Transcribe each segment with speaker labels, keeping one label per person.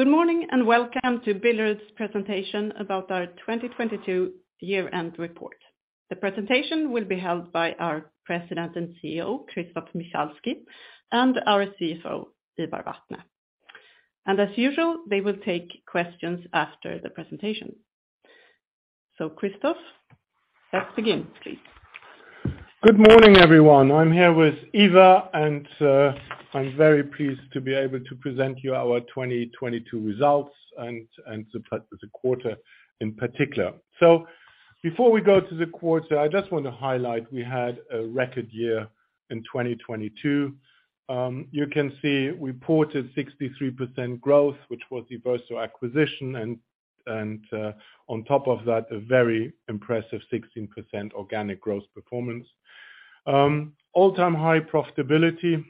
Speaker 1: Good morning and welcome to Billerud's presentation about our 2022 year-end report. The presentation will be held by our President and CEO, Christoph Michalski, and our CFO, Ivar Vatne. As usual, they will take questions after the presentation. Christoph, let's begin, please.
Speaker 2: Good morning, everyone. I'm here with Ivar, and I'm very pleased to be able to present you our 2022 results and the quarter in particular. Before we go to the quarter, I just wanna highlight we had a record year in 2022. You can see we reported 63% growth, which was the Verso acquisition and on top of that, a very impressive 16% organic growth performance. All-time high profitability,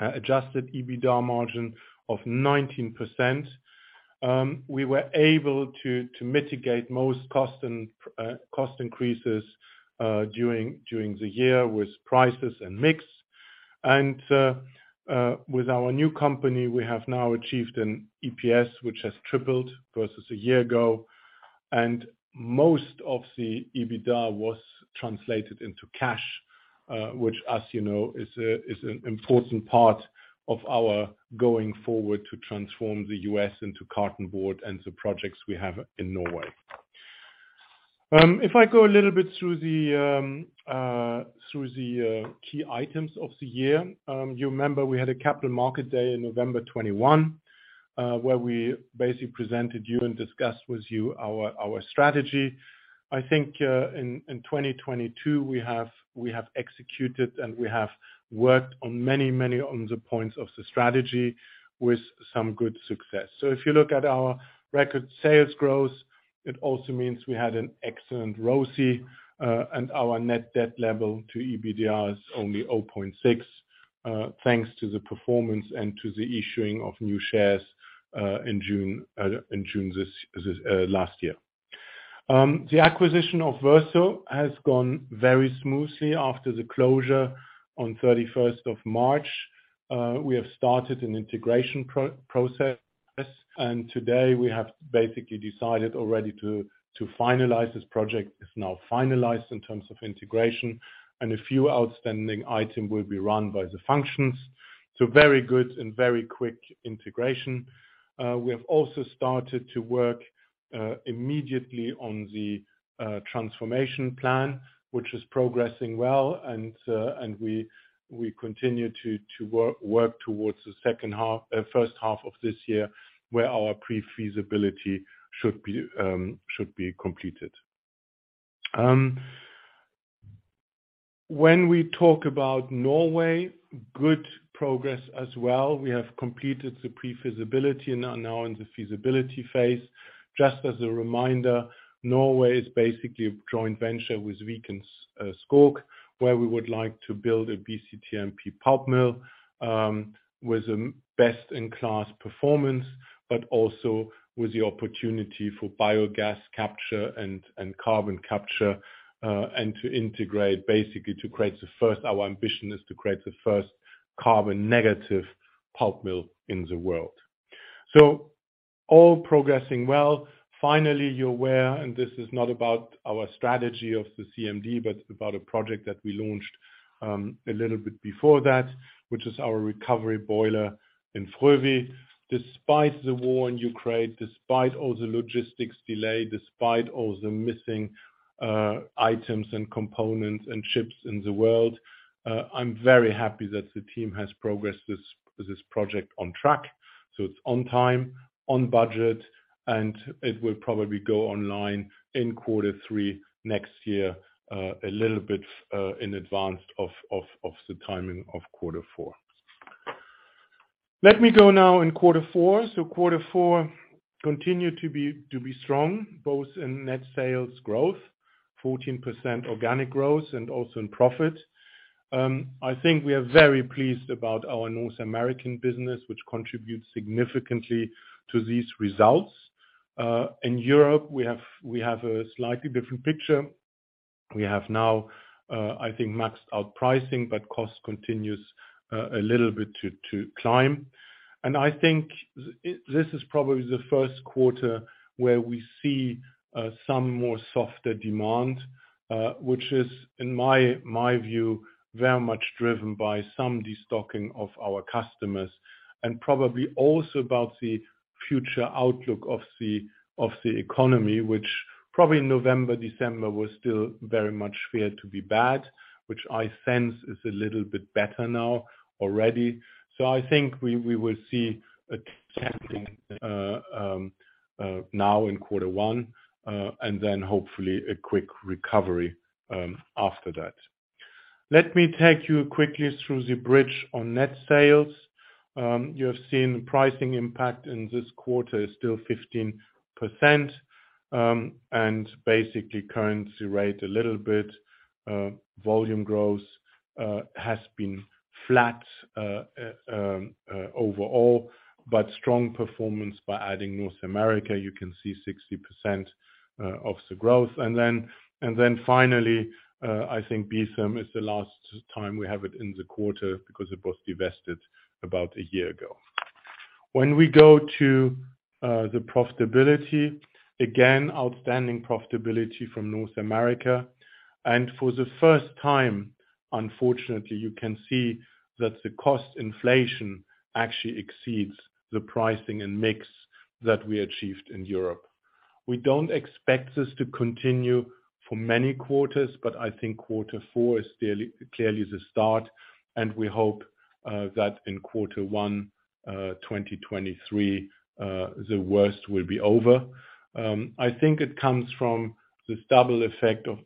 Speaker 2: adjusted EBITDA margin of 19%. We were able to mitigate most cost and cost increases during the year with prices and mix. With our new company, we have now achieved an EPS, which has tripled versus a year ago. Most of the EBITDA was translated into cash, which as you know, is an important part of our going forward to transform the U.S. into Cartonboard and the projects we have in Norway. If I go a little bit through the key items of the year, you remember we had a Capital Market Day in November 2021, where we basically presented you and discussed with you our strategy. I think in 2022, we have executed, and we have worked on many on the points of the strategy with some good success. If you look at our record sales growth, it also means we had an excellent ROCE, and our net debt level to EBITDA is only 0.6, thanks to the performance and to the issuing of new shares in June last year. The acquisition of Verso has gone very smoothly after the closure on 31st of March. We have started an integration process, and today we have basically decided already to finalize this project. It's now finalized in terms of integration, and a few outstanding item will be run by the functions. Very good and very quick integration. We have also started to work immediately on the transformation plan, which is progressing well, and we continue to work towards the first half of this year, where our pre-feasibility should be completed. When we talk about Norway, good progress as well. We have completed the pre-feasibility and are now in the feasibility phase. Just as a reminder, Norway is basically a joint venture with Viken Skog, where we would like to build a BCTMP pulp mill with a best-in-class performance, but also with the opportunity for biogas capture and carbon capture, to integrate, basically. Our ambition is to create the first carbon negative pulp mill in the world. All progressing well. Finally, you're aware, this is not about our strategy of the CMD, but about a project that we launched a little bit before that, which is our recovery boiler in Frövi. Despite the war in Ukraine, despite all the logistics delay, despite all the missing items and components and ships in the world, I'm very happy that the team has progressed this project on track, so it's on time, on budget, and it will probably go online in quarter three next year, a little bit in advance of the timing of quarter four. Let me go now in quarter four. Quarter four continued to be strong, both in net sales growth, 14% organic growth, and also in profit. I think we are very pleased about our North American business, which contributes significantly to these results. In Europe, we have a slightly different picture. We have now, I think maxed out pricing, but cost continues a little bit to climb. I think this is probably the first quarter where we see some more softer demand, which is, in my view, very much driven by some destocking of our customers and probably also about the future outlook of the economy, which probably November, December was still very much feared to be bad, which I sense is a little bit better now already. I think we will see a testing now in quarter one, and then hopefully a quick recovery after that. Let me take you quickly through the bridge on net sales. You have seen pricing impact in this quarter is still 15%, and basically currency rate a little bit. Volume growth has been flat overall, but strong performance by adding North America. You can see 60% of the growth. Finally, I think Beetham is the last time we have it in the quarter because it was divested about a year ago. When we go to the profitability, again, outstanding profitability from North America. For the first time, unfortunately, you can see that the cost inflation actually exceeds the pricing and mix that we achieved in Europe. We don't expect this to continue for many quarters, but I think quarter four is clearly the start, and we hope that in quarter one 2023 the worst will be over. I think it comes from this double effect of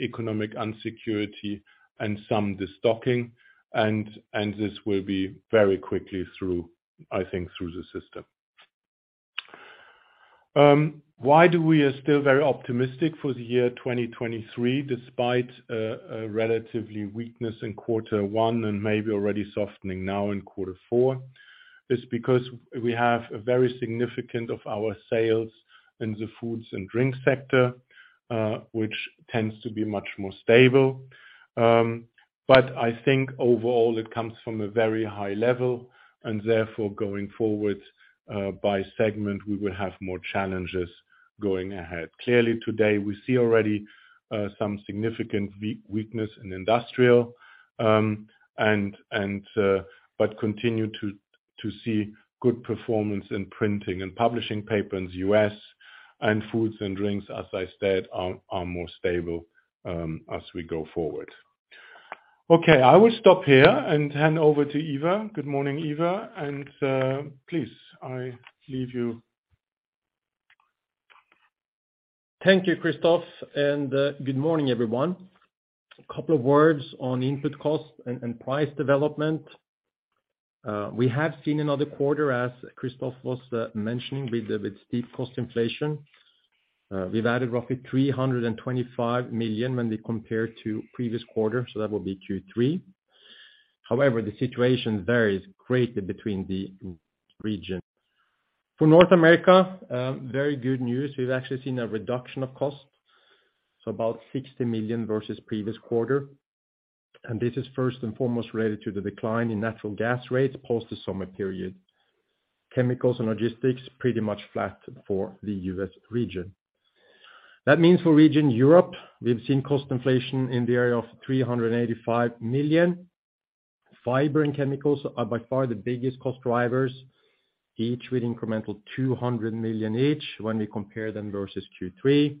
Speaker 2: economic insecurity and some destocking and this will be very quickly through, I think, through the system. Why do we are still very optimistic for the year 2023, despite a relatively weakness in quarter one and maybe already softening now in quarter four, is because we have a very significant of our sales in the foods and drink sector, which tends to be much more stable. I think overall it comes from a very high level, and therefore going forward, by segment, we will have more challenges going ahead. Clearly today, we see already, some significant weakness in industrial, but continue to see good performance in printing and publishing paper in the U.S. and foods and drinks, as I said, are more stable as we go forward. I will stop here and hand over to Ivar. Good morning, Ivar, and, please, I leave you.
Speaker 3: Thank you, Christoph. Good morning, everyone. A couple of words on input cost and price development. We have seen another quarter, as Christoph was mentioning, with a bit steep cost inflation. We've added roughly 325 million when we compare to previous quarter, so that will be Q3. However, the situation varies greatly between the regions. For North America, very good news. We've actually seen a reduction of cost, so about 60 million versus previous quarter. This is first and foremost related to the decline in natural gas rates post the summer period. Chemicals and logistics pretty much flat for the U.S. region. That means for region Europe, we've seen cost inflation in the area of 385 million. Fiber and chemicals are by far the biggest cost drivers, each with incremental 200 million each when we compare them versus Q3.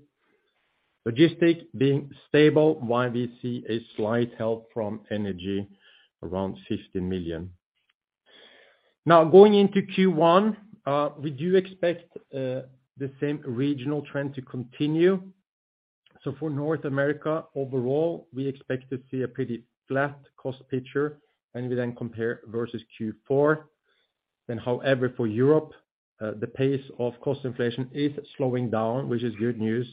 Speaker 3: Logistics being stable, while we see a slight help from energy, around 50 million. Going into Q1, we do expect the same regional trend to continue. For North America overall, we expect to see a pretty flat cost picture when we compare versus Q4. However, for Europe, the pace of cost inflation is slowing down, which is good news,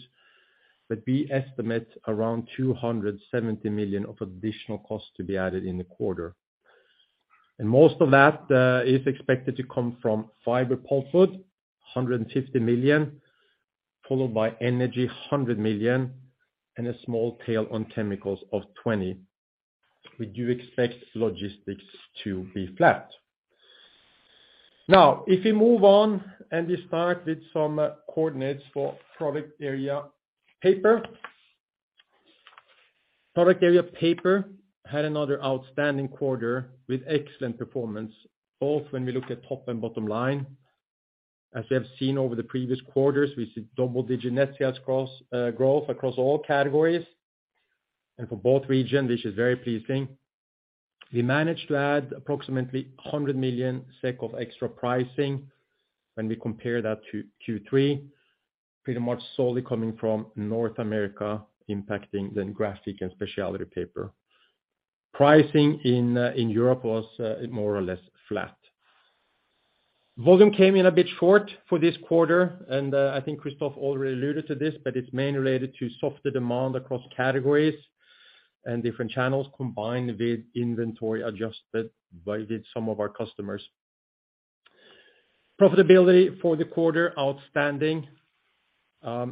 Speaker 3: but we estimate around 270 million of additional costs to be added in the quarter. Most of that is expected to come from fiber pulpwood, 150 million, followed by energy, 100 million, and a small tail on chemicals of 20. We do expect logistics to be flat. Now, if we move on, and we start with some coordinates for Product Area Paper. Product Area Paper had another outstanding quarter with excellent performance, both when we look at top and bottom line. As we have seen over the previous quarters, we see double-digit net sales cross growth across all categories and for both region, which is very pleasing. We managed to add approximately 100 million SEK of extra pricing when we compare that to Q3, pretty much solely coming from North America impacting the graphic and specialty paper. Pricing in Europe was more or less flat. Volume came in a bit short for this quarter, and I think Christoph already alluded to this, but it's mainly related to softer demand across categories and different channels combined with inventory adjusted by some of our customers. Profitability for the quarter, outstanding,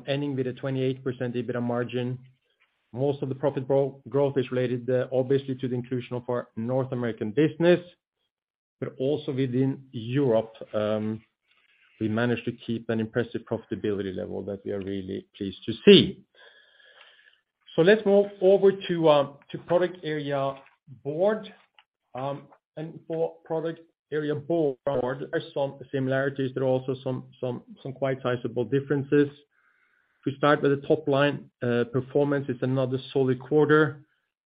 Speaker 3: ending with a 28% EBITDA margin. Most of the profit growth is related, obviously to the inclusion of our North American business, but also within Europe, we managed to keep an impressive profitability level that we are really pleased to see. Let's move over to Product Area Board. For Product Area Board are some similarities, but also some quite sizable differences. We start with the top line performance. It's another solid quarter.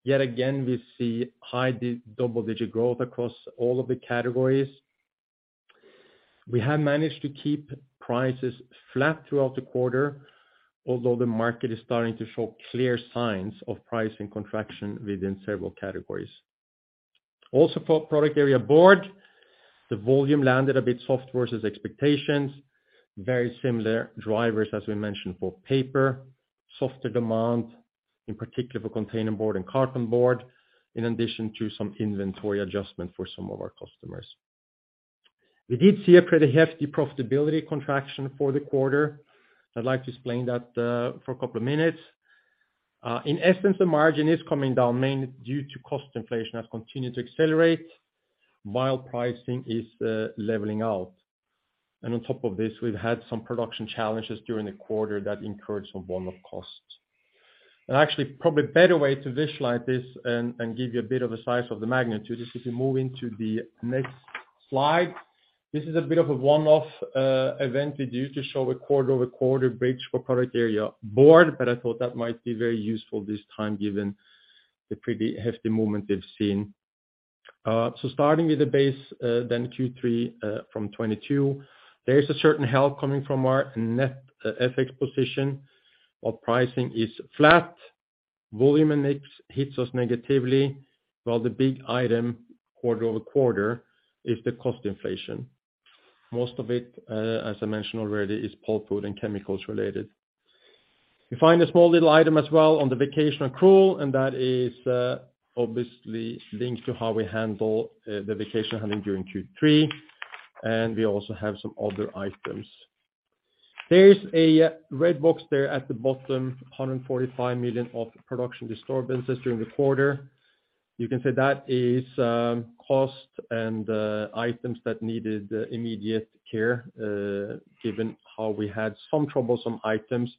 Speaker 3: Yet again, we see high double-digit growth across all of the categories. We have managed to keep prices flat throughout the quarter, although the market is starting to show clear signs of pricing contraction within several categories. For Product Area Board, the volume landed a bit soft versus expectations. Very similar drivers as we mentioned for paper, softer demand, in particular for Containerboard and Cartonboard, in addition to some inventory adjustment for some of our customers. We did see a pretty hefty profitability contraction for the quarter. I'd like to explain that for a couple of minutes. In essence, the margin is coming down mainly due to cost inflation has continued to accelerate while pricing is leveling out. On top of this, we've had some production challenges during the quarter that incurred some one-off costs. Actually, probably a better way to visualize this and give you a bit of a size of the magnitude is if you move into the next slide. This is a bit of a one-off event we do to show a quarter-over-quarter bridge for product area board, but I thought that might be very useful this time given the pretty hefty movement we've seen. Starting with the base, Q3 from 2022, there's a certain help coming from our net FX position while pricing is flat. Volume and mix hits us negatively, while the big item quarter-over-quarter is the cost inflation. Most of it, as I mentioned already, is pulp wood and chemicals related. You find a small little item as well on the vacation accrual, and that is obviously linked to how we handle the vacation handling during Q3, and we also have some other items. There is a red box there at the bottom, 145 million of production disturbances during the quarter. You can say that is cost and items that needed immediate care, given how we had some troublesome items.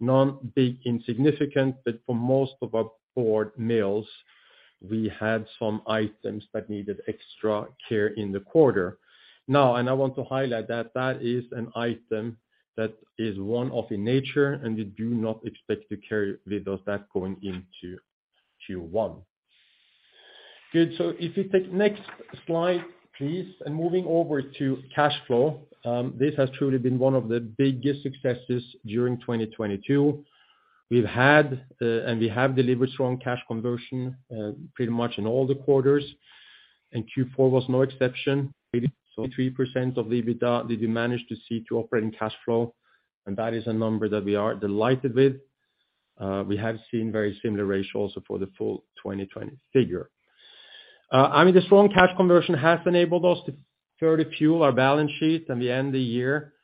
Speaker 3: Non big insignificant, but for most of our board mills, we had some items that needed extra care in the quarter. I want to highlight that is an item that is one-off in nature, and we do not expect to carry with us that going into Q1. Good. If you take next slide, please, and moving over to cash flow. This has truly been one of the biggest successes during 2022. We've had, and we have delivered strong cash conversion, pretty much in all the quarters, and Q4 was no exception. 83% of EBITDA did we manage to see to operating cash flow, and that is a number that we are delighted with. We have seen very similar ratios for the full 2020 figure. I mean, the strong cash conversion has enabled us to further fuel our balance sheet and the end of year.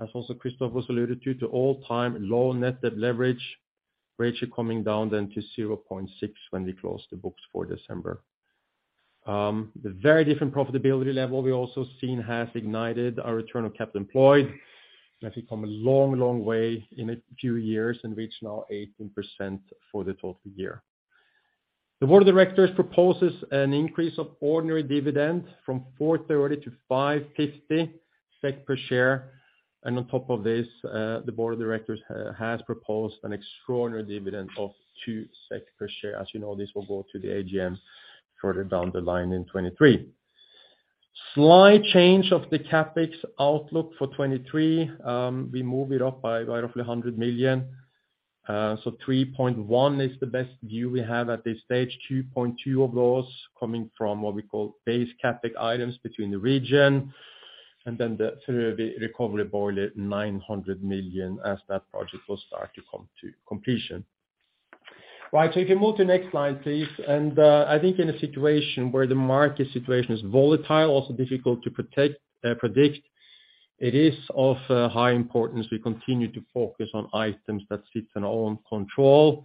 Speaker 3: As also Christoph also alluded to, all-time low net debt leverage ratio coming down then to 0.6 when we close the books for December. The very different profitability level we also seen has ignited our return of capital employed, and I think come a long, long way in a few years and reach now 18% for the total year. The board of directors proposes an increase of ordinary dividend from 430 to 550 SEK per share. On top of this, the board of directors has proposed an extraordinary dividend of 2 SEK per share. As you know, this will go to the AGM further down the line in 2023. Slight change of the CapEx outlook for 2023. We move it up by roughly 100 million. So 3.1 billion is the best view we have at this stage, 2.2 billion of those coming from what we call base CapEx items between the region. The recovery boiler, 900 million as that project will start to come to completion. Right. If you move to the next slide, please. I think in a situation where the market situation is volatile, also difficult to predict, it is of high importance we continue to focus on items that sit in our own control.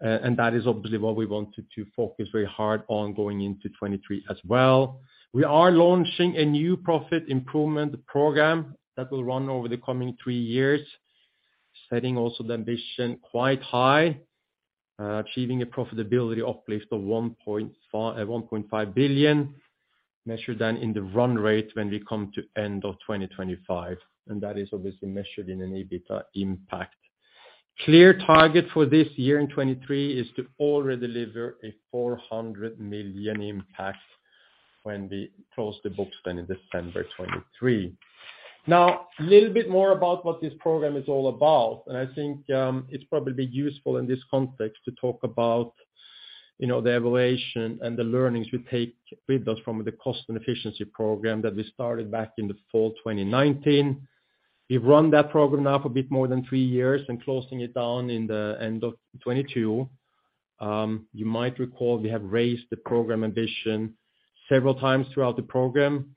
Speaker 3: That is obviously what we wanted to focus very hard on going into 2023 as well. We are launching a new profit improvement program that will run over the coming three years, setting also the ambition quite high, achieving a profitability uplift of 1.5 billion, measured then in the run rate when we come to end of 2025. That is obviously measured in an EBITDA impact. Clear target for this year in 2023 is to already deliver a 400 million impact when we close the books then in December 2023. A little bit more about what this program is all about. I think it's probably useful in this context to talk about, you know, the evaluation and the learnings we take with us from the cost and efficiency program that we started back in the fall 2019. We've run that program now for a bit more than three years and closing it down in the end of 2022. You might recall we have raised the program ambition several times throughout the program.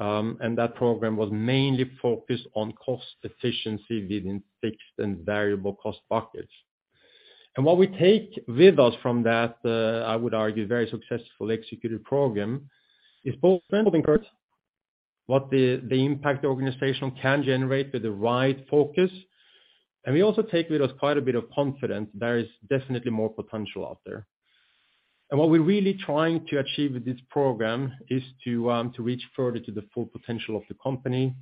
Speaker 3: That program was mainly focused on cost efficiency within fixed and variable cost buckets. What we take with us from that, I would argue, very successful executed program is both what the impact the organization can generate with the right focus. We also take with us quite a bit of confidence. There is definitely more potential out there. What we're really trying to achieve with this program is to reach further to the full potential of the company.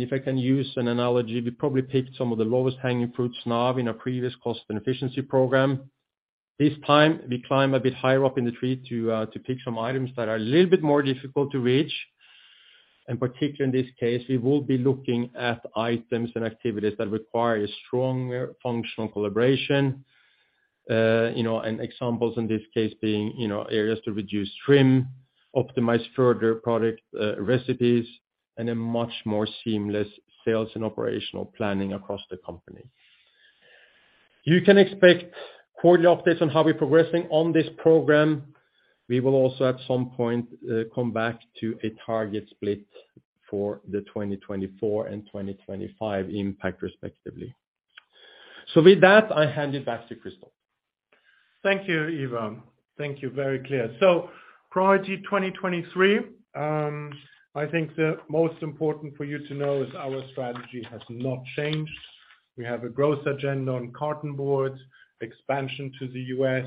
Speaker 3: If I can use an analogy, we probably picked some of the lowest hanging fruits now in our previous cost and efficiency program. This time, we climb a bit higher up in the tree to pick some items that are a little bit more difficult to reach. Particularly in this case, we will be looking at items and activities that require a stronger functional collaboration. You know, and examples in this case being, you know, areas to reduce trim, optimize further product recipes, and a much more seamless sales and operational planning across the company. You can expect quarterly updates on how we're progressing on this program. We will also, at some point, come back to a target split for the 2024 and 2025 impact respectively. With that, I hand it back to Christoph.
Speaker 2: Thank you, Ivar. Thank you. Very clear. Priority 2023. I think the most important for you to know is our strategy has not changed. We have a growth agenda on Cartonboard, expansion to the U.S.,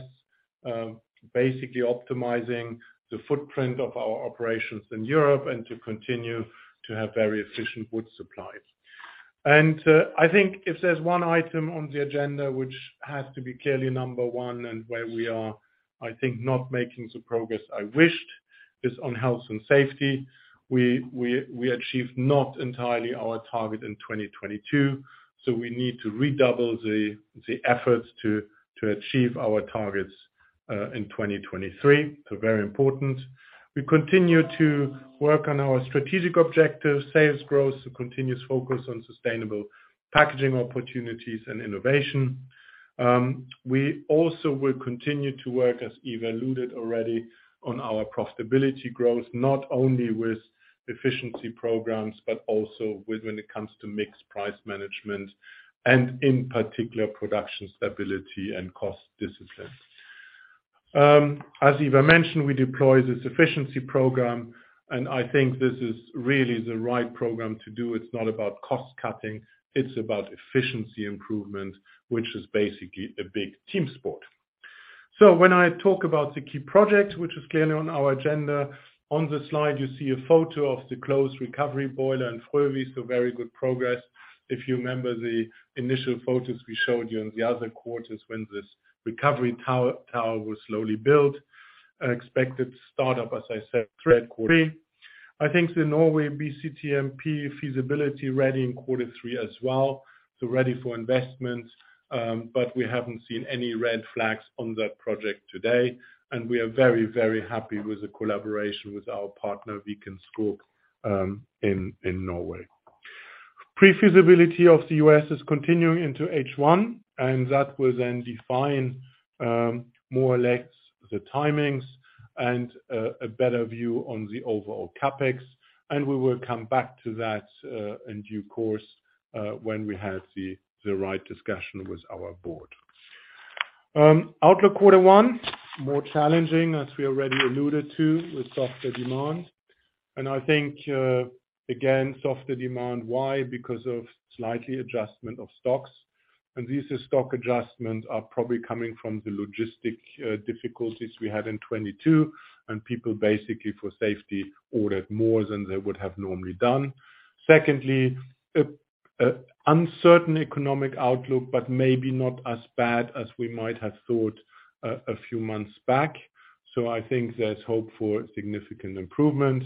Speaker 2: basically optimizing the footprint of our operations in Europe and to continue to have very efficient wood supplies. I think if there's one item on the agenda which has to be clearly number one and where we are, I think not making the progress I wished, is on health and safety. We achieved not entirely our target in 2022, we need to redouble the efforts to achieve our targets in 2023. Very important. We continue to work on our strategic objectives, sales growth, a continuous focus on sustainable packaging opportunities and innovation. We also will continue to work, as Ivar alluded already, on our profitability growth, not only with efficiency programs, but also with when it comes to mixed price management and in particular, production stability and cost discipline. As Ivar mentioned, we deploy this efficiency program, and I think this is really the right program to do. It's not about cost cutting, it's about efficiency improvement, which is basically a big team sport. When I talk about the key projects, which is clearly on our agenda. On the slide you see a photo of the closed recovery boiler in Frövi. Very good progress. If you remember the initial photos we showed you in the other quarters when this recovery tow-tower was slowly built. Expected startup, as I said, third quarter. I think the Norway BCTMP feasibility ready in quarter three as well, so ready for investment. We haven't seen any red flags on that project today, and we are very, very happy with the collaboration with our partner, Viken Skog in Norway. Pre-feasibility of the U.S. is continuing into H1. That will then define more or less the timings and a better view on the overall CapEx. We will come back to that in due course when we have the right discussion with our board. Outlook Q1, more challenging, as we already alluded to, with softer demand. I think again, softer demand. Why? Because of slightly adjustment of stocks, and these stock adjustments are probably coming from the logistic difficulties we had in 2022, and people basically for safety ordered more than they would have normally done. Secondly, an uncertain economic outlook, but maybe not as bad as we might have thought a few months back. I think there's hope for significant improvement.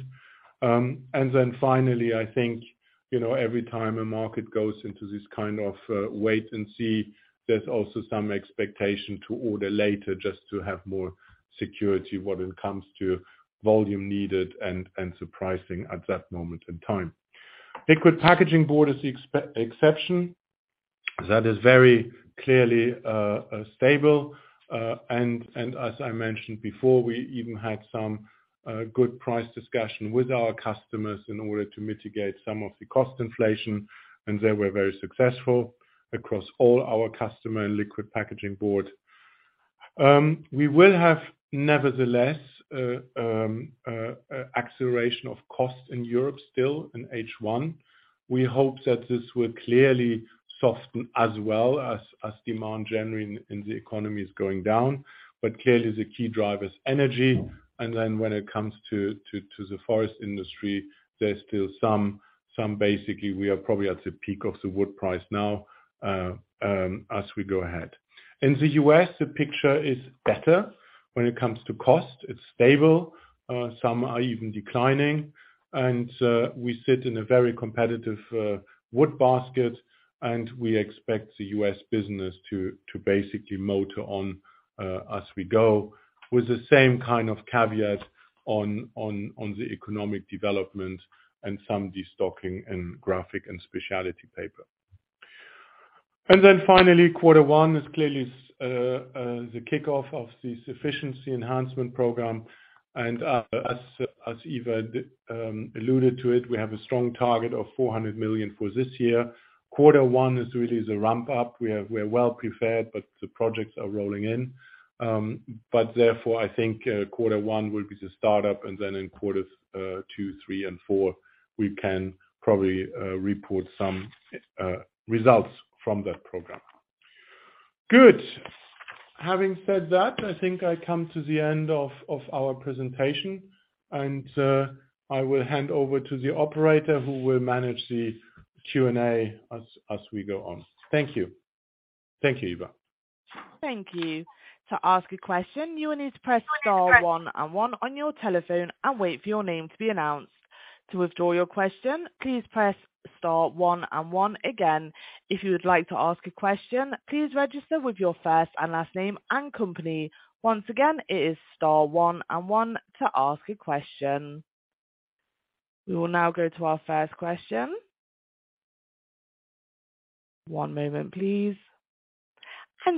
Speaker 2: Finally, I think, you know, every time a market goes into this kind of wait and see, there's also some expectation to order later just to have more security when it comes to volume needed and surprising at that moment in time. Liquid Packaging Board is the exception. That is very clearly stable. As I mentioned before, we even had some good price discussion with our customers in order to mitigate some of the cost inflation, and they were very successful across all our customer and Liquid Packaging Board. We will have nevertheless an acceleration of cost in Europe still in H1. We hope that this will clearly soften as well as demand generally in the economy is going down, but clearly the key driver is energy. When it comes to the forest industry, there's still some basically, we are probably at the peak of the wood price now as we go ahead. In the U.S., the picture is better when it comes to cost. It's stable. Some are even declining. We sit in a very competitive wood basket and we expect the U.S. business to basically motor on as we go with the same kind of caveat on the economic development and some de-stocking in Graphic Paper and Specialty Paper. Finally, quarter one is clearly the kickoff of this efficiency enhancement program. As Ivar alluded to it, we have a strong target of 400 million for this year. Quarter one is really the ramp up. We are well prepared, but the projects are rolling in. Therefore, I think quarter one will be the start up, and then in quarters two, three and four, we can probably report some results from that program. Good. Having said that, I think I come to the end of our presentation and I will hand over to the operator who will manage the Q&A as we go on. Thank you. Thank you, Ivar.
Speaker 1: Thank you. To ask a question, you will need to press star one and one on your telephone and wait for your name to be announced. To withdraw your question, please press star one and one again. If you would like to ask a question, please register with your first and last name and company. Once again, it is star one and one to ask a question. We will now go to our first question. One moment, please.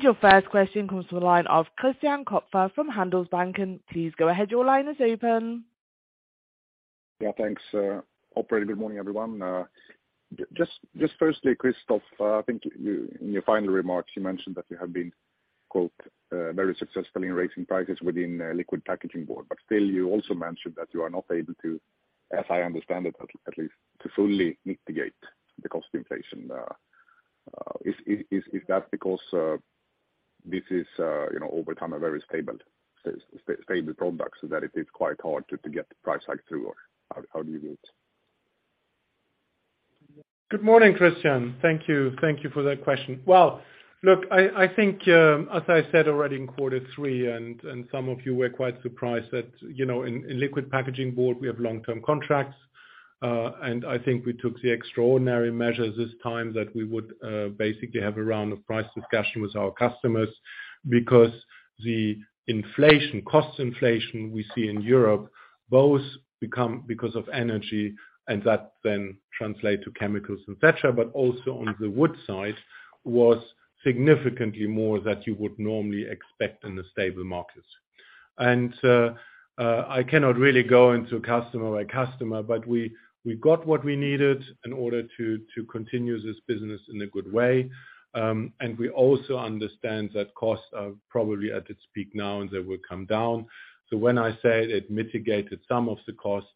Speaker 1: Your first question comes from the line of Christian Kopfer from Handelsbanken. Please go ahead. Your line is open.
Speaker 4: Thanks, operator. Good morning, everyone. Just firstly, Christoph, I think you, in your final remarks, you mentioned that you have been, quote, "very successful in raising prices within Liquid Packaging Board." Still, you also mentioned that you are not able to, as I understand it at least, to fully mitigate the cost inflation. Is that because, you know, over time a very stable product so that it is quite hard to get the price hike through? How do you view it?
Speaker 2: Good morning, Christian. Thank you. Thank you for that question. Well, look, I think, as I said already in quarter three, some of you were quite surprised that, you know, in Liquid Packaging Board, we have long-term contracts. I think we took the extraordinary measures this time that we would basically have a round of price discussion with our customers because the inflation, cost inflation we see in Europe both become because of energy, and that then translate to chemicals and such, but also on the wood side was significantly more that you would normally expect in the stable markets. I cannot really go into customer by customer, but we got what we needed in order to continue this business in a good way. We also understand that costs are probably at its peak now, and they will come down. When I say it mitigated some of the cost,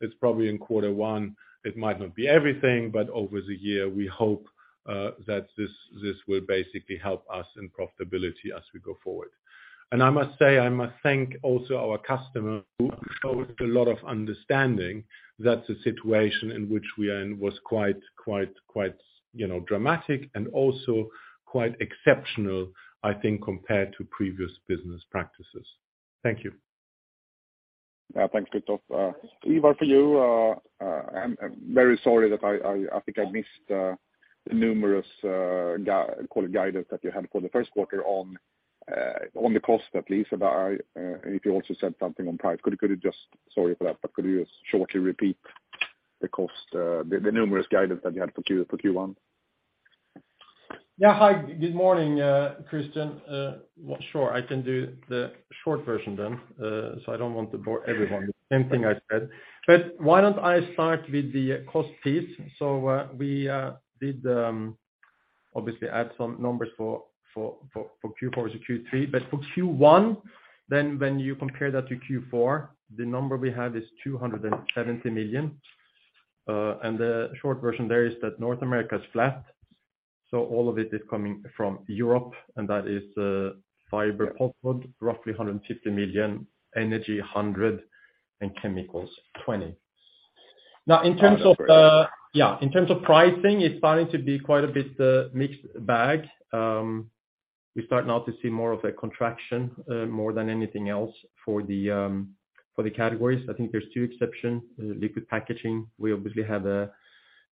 Speaker 2: it's probably in Q1. It might not be everything, but over the year, we hope that this will basically help us in profitability as we go forward. I must say, I must thank also our customer who showed a lot of understanding that the situation in which we are in was quite, you know, dramatic and also quite exceptional, I think, compared to previous business practices. Thank you.
Speaker 4: Yeah. Thanks, Christoph. Ivar, for you, I'm very sorry that I think I missed the numerous call it guidance that you had for the first quarter on the cost at least. If you also said something on price, could you just, sorry for that, but could you just shortly repeat the cost, the numerous guidance that you had for Q1?
Speaker 3: Yeah. Hi, good morning, Christian. Well, sure. I can do the short version then, I don't want to bore everyone the same thing I said. Why don't I start with the cost piece? We did obviously add some numbers for Q4 to Q3. For Q1, when you compare that to Q4, the number we have is 270 million. The short version there is that North America is flat, all of it is coming from Europe, and that is fiber pulpwood, roughly 150 million, energy 100 million, and chemicals 20 million. In terms of.
Speaker 4: Got it.
Speaker 3: In terms of pricing, it's starting to be quite a bit mixed bag. We're starting now to see more of a contraction more than anything else for the categories. I think there's two exceptions. Liquid Packaging, we obviously have a,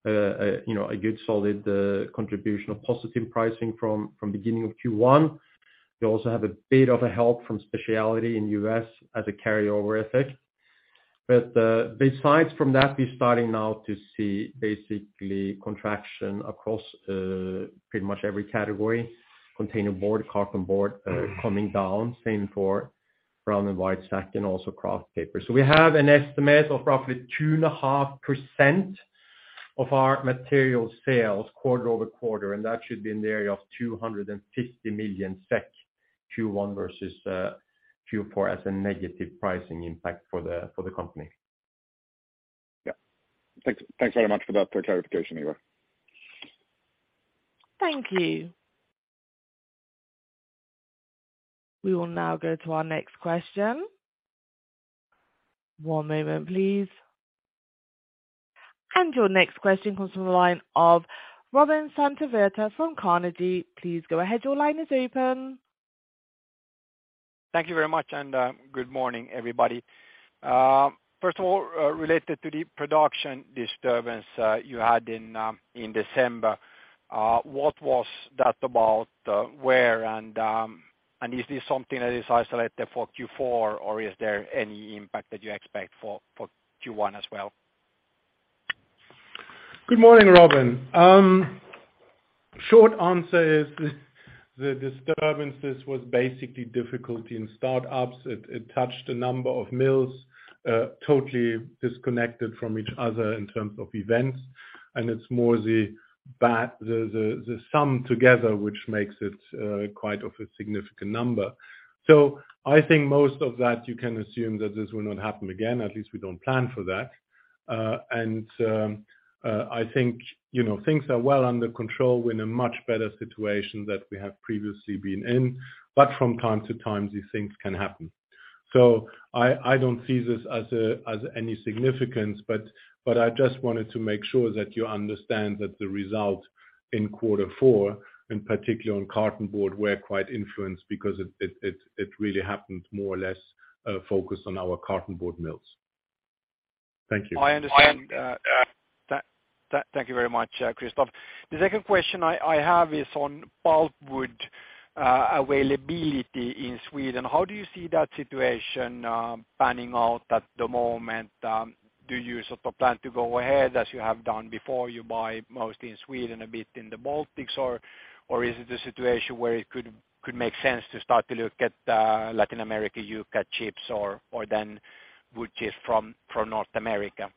Speaker 3: you know, a good solid contribution of positive pricing from beginning of Q1. We also have a bit of a help from specialty in U.S. as a carryover effect. Besides from that, we're starting now to see basically contraction across pretty much every category. Containerboard, Cartonboard, coming down. Same for brown and white sack and also kraft paper. We have an estimate of roughly 2.5% of our materials sales quarter-over-quarter, and that should be in the area of 250 million SEK Q1 versus Q4 as a negative pricing impact for the company.
Speaker 4: Yeah. Thanks, thanks very much for that, for clarification, Ivar.
Speaker 1: Thank you. We will now go to our next question. One moment please. Your next question comes from the line of Robin Santavirta from Carnegie. Please go ahead. Your line is open.
Speaker 5: Thank you very much, and good morning, everybody. First of all, related to the production disturbance you had in December, what was that about? Where and is this something that is isolated for Q4, or is there any impact that you expect for Q1 as well?
Speaker 2: Good morning, Robin. Short answer is the disturbance, this was basically difficulty in startups. It touched a number of mills, totally disconnected from each other in terms of events, and it's more the sum together, which makes it quite of a significant number. I think most of that you can assume that this will not happen again. At least we don't plan for that. I think, you know, things are well under control. We're in a much better situation than we have previously been in. From time to time, these things can happen. I don't see this as any significance, but I just wanted to make sure that you understand that the result in quarter four, and particularly on Cartonboard, were quite influenced because it really happened more or less focused on our Cartonboard mills. Thank you.
Speaker 5: I understand. thank you very much, Christoph. The second question I have is on pulpwood. Availability in Sweden, how do you see that situation panning out at the moment? Do you sort of plan to go ahead as you have done before? You buy mostly in Sweden, a bit in the Baltics, or is it a situation where it could make sense to start to look at Latin America eucalyptus chips or then wood chips from North America?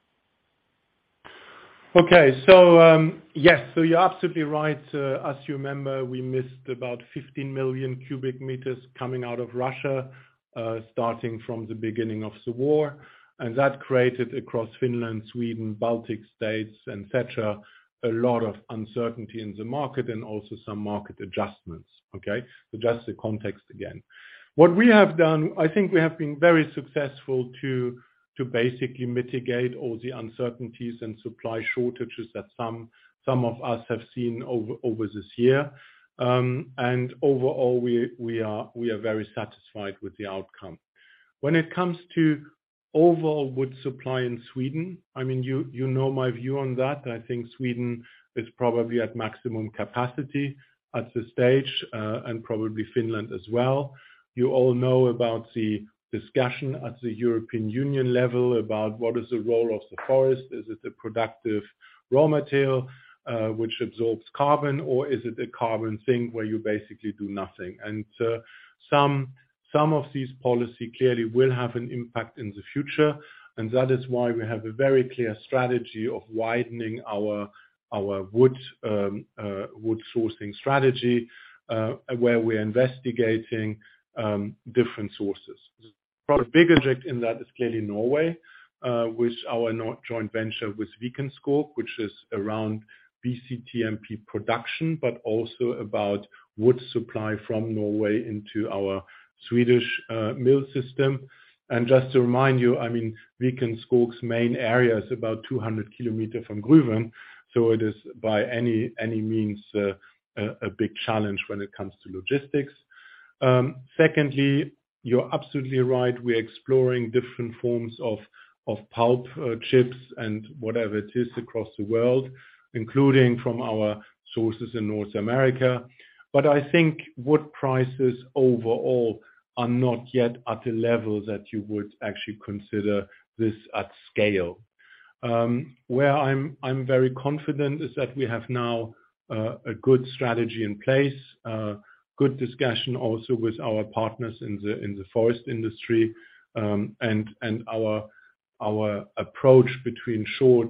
Speaker 2: Okay. Yes, you're absolutely right. As you remember, we missed about 15 million cu m coming out of Russia, starting from the beginning of the war. That created across Finland, Sweden, Baltic States, et cetera, a lot of uncertainty in the market and also some market adjustments. Okay? Just the context again. What we have done, I think we have been very successful to basically mitigate all the uncertainties and supply shortages that some of us have seen over this year. Overall we are very satisfied with the outcome. When it comes to overall wood supply in Sweden, I mean, you know my view on that. I think Sweden is probably at maximum capacity at this stage, and probably Finland as well. You all know about the discussion at the European Union level about what is the role of the forest. Is it a productive raw material, which absorbs carbon, or is it a carbon thing where you basically do nothing? Some of these policy clearly will have an impact in the future, and that is why we have a very clear strategy of widening our wood sourcing strategy, where we're investigating different sources. Probably big object in that is clearly Norway, with our north joint venture with Viken Skog, which is around BCTMP production, but also about wood supply from Norway into our Swedish mill system. Just to remind you, I mean, Viken Skog's main area is about 200 km from Gruvön, so it is by any means, a big challenge when it comes to logistics. Secondly, you're absolutely right. We're exploring different forms of pulp, chips and whatever it is across the world, including from our sources in North America. I think wood prices overall are not yet at a level that you would actually consider this at scale. Where I'm very confident is that we have now a good strategy in place, good discussion also with our partners in the forest industry, and our approach between short,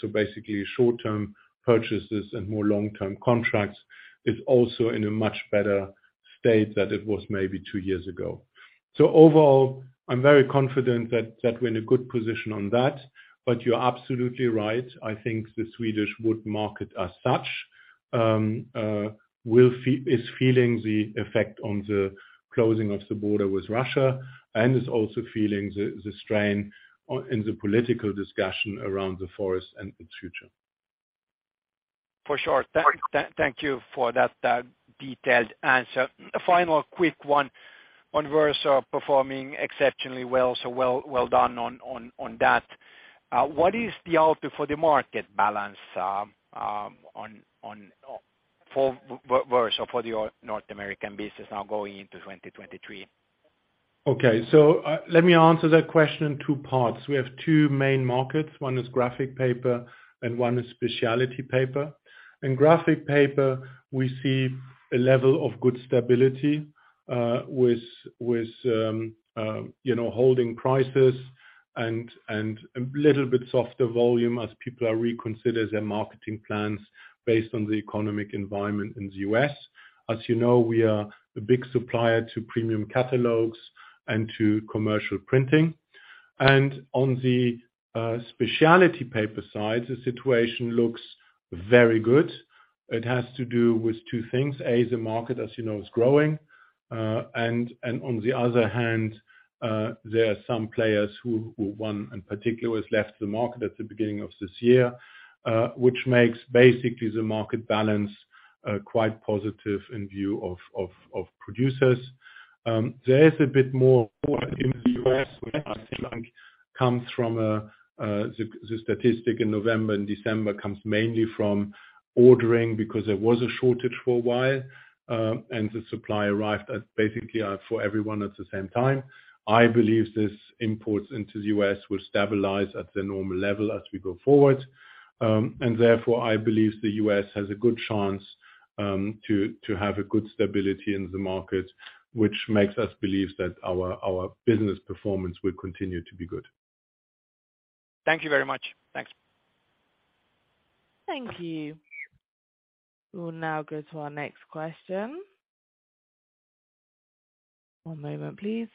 Speaker 2: so basically short-term purchases and more long-term contracts is also in a much better state than it was maybe two years ago. Overall, I'm very confident that we're in a good position on that. You're absolutely right. I think the Swedish wood market as such, is feeling the effect on the closing of the border with Russia and is also feeling the strain in the political discussion around the forest and its future.
Speaker 5: For sure. Thank you for that detailed answer. A final quick one on Verso performing exceptionally well, so well, well done on that. What is the outlook for the market balance on Verso, for your North American business now going into 2023?
Speaker 2: Okay. Let me answer that question in two parts. We have two main markets. One is graphic paper and one is specialty paper. In graphic paper we see a level of good stability, with, you know, holding prices and a little bit softer volume as people are reconsider their marketing plans based on the economic environment in the U.S. As you know, we are a big supplier to premium catalogs and to commercial printing. On the specialty paper side, the situation looks very good. It has to do with two things. A, the market, as you know, is growing. On the other hand, there are some players who, one in particular, has left the market at the beginning of this year, which makes basically the market balance quite positive in view of producers. There is a bit more in the U.S. which I think comes from the statistic in November and December comes mainly from ordering because there was a shortage for a while, and the supply arrived at, basically, for everyone at the same time. I believe this imports into the U.S. will stabilize at the normal level as we go forward. Therefore, I believe the U.S. has a good chance to have a good stability in the market, which makes us believe that our business performance will continue to be good.
Speaker 5: Thank you very much. Thanks.
Speaker 1: Thank you. We'll now go to our next question. One moment please.